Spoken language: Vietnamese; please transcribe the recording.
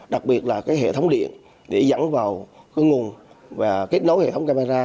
đặc biệt là hệ thống điện để dẫn vào nguồn và kết nối hệ thống camera